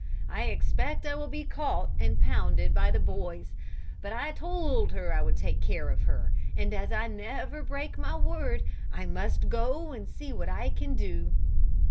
I expect I will be caught and pounded by the boys, but I told her I would take care of her and as I never break my word, I must go and see what I can do."